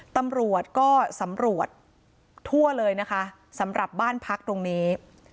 ตำรวจก็สำรวจทั่วเลยนะคะสำหรับบ้านพักตรงนี้